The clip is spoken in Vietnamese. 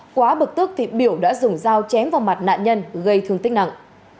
quá bực tức thì biểu đã dùng dao chém vào mặt nạn nhân gây thương tích nặng